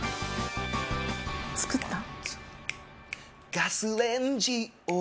作った？